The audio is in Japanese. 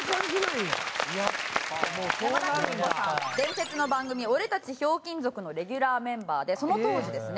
伝説の番組『オレたちひょうきん族』のレギュラーメンバーでその当時ですね